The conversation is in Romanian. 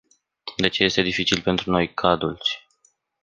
De ce este dificil pentru noi, ca adulți?